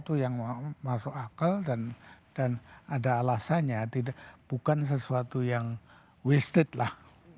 sesuatu yang masuk akal dan dan ada alasannya tidak bukan sesuatu yang wasted lah